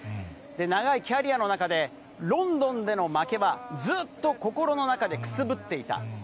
長いキャリアの中で、ロンドンでの負けは、ずっと心の中でくすぶっていた。